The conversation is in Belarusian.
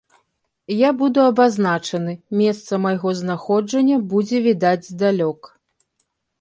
Я буду абазначаны, месца майго знаходжання будзе відаць здалёк.